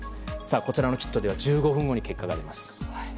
こちらのキットでは１５分後に結果が出ます。